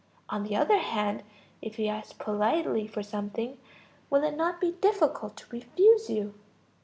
On the other hand, if you ask politely for something, will it not be difficult to refuse you?